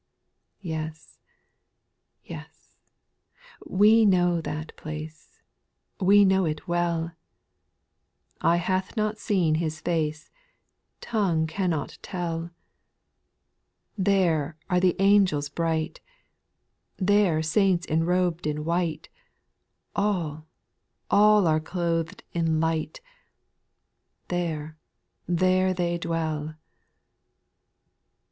2. Yes, yes, we know that place, We know it well ; Eye hath not seen His face, Tongue cannot tell ; There are the angels bright, There saints enrob'd in white, All, all are cloth'd in light — There, there they dwelL 3.